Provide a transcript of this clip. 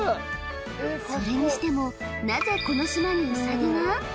それにしてもなぜこの島にウサギが？